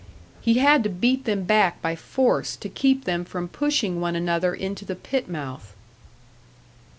He had to beat them back by force, to keep them from pushing one another into the pit mouth.